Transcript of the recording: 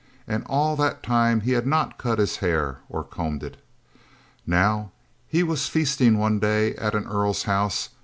And all that time he had not cut his hair or combed it. Now he was feasting one day at an earl's house.